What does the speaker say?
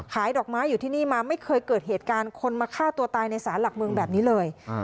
ดอกไม้อยู่ที่นี่มาไม่เคยเกิดเหตุการณ์คนมาฆ่าตัวตายในสารหลักเมืองแบบนี้เลย